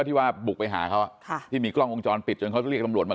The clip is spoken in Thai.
ที่ว่าบุกไปหาเขาที่มีกล้องวงจรปิดจนเขาเรียกตำรวจมา